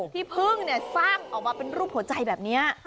ที่พึ่งสร้างออกมาเป็นรูปหัวใจแบบนี้